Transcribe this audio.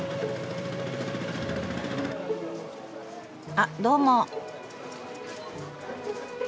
あっどうも。